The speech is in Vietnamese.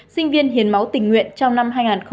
sinh viên hiến máu tình nguyện trong năm hai nghìn một mươi chín